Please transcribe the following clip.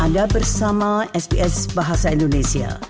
anda bersama sps bahasa indonesia